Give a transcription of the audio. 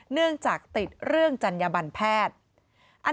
เนื่องจากติดเรื่องจัญญบันแพทย์